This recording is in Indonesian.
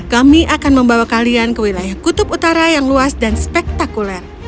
kami akan membawa kalian ke wilayah kutub utara yang luas dan spektakuler